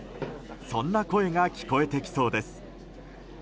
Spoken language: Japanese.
そんな声が聞こえてきそうです。